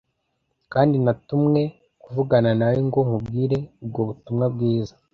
Kandi natumwe kuvugana nawe, ngo nkubwire ubwo butumwa bwiza."